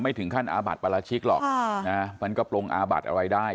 ไม่ถึงขั้นอาบัติประลาชิกหรอกค่ะนะฮะมันก็โปรงอาบัติอะไรได้